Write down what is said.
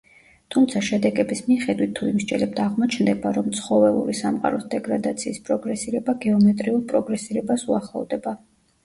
თუმცა შედეგების მიხედვით თუ ვიმსჯელებთ, აღმოჩნდება რომ ცხოველური სამყაროს დეგრადაციის პროგრესირება გეომეტრიულ პროგრესირებას უახლოვდება.